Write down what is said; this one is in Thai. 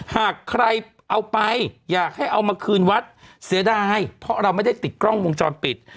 หากใครเอาไปอยากให้เอามาคืนวัดเสียดายเพราะเราไม่ได้ติดกล้องวงจรปิด